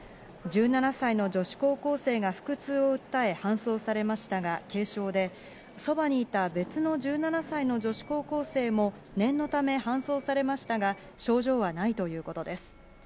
１７歳の女子高校生が腹痛を訴え、搬送されましたが軽症でそこにいた別の１７歳の女子高校生も念のため搬送されましたが、症状はないということです。